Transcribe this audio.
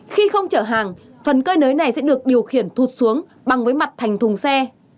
khi không chở hàng phần cơi nới này sẽ được điều khiển thụt xuống bằng với mặt thành thùng xe